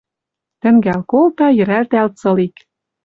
Тӹнгӓл колта, йӹрӓлтӓл цылик: